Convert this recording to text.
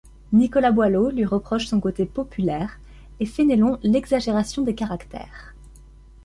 Nicolas Boileau lui reproche son côté populaire et Fénelon l'exagération des caractères.